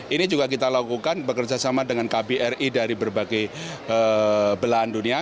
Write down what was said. ini juga kita lakukan bekerja sama dengan kpri dari berbagai belahan dunia